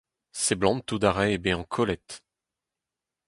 Seblantout a rae bezañ kollet.